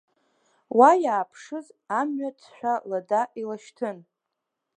Уа иааԥшыз амҩа ҭшәа лада илашьҭын.